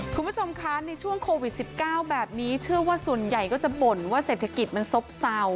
คุณผู้ชมคะในช่วงโควิด๑๙แบบนี้เชื่อว่าส่วนใหญ่ก็จะบ่นว่าเศรษฐกิจมันซบเศร้า